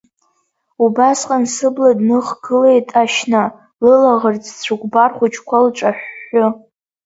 Убасҟан сыбла дныхгылеит Ашьна, лылаӷырӡ цәыкәбар хәыҷқәа лҿаҳәҳәы.